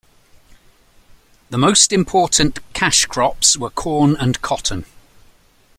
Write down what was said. The most important cash crops were corn and cotton.